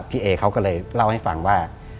พี่เอเขาก็เลยเล่าให้ฟังว่า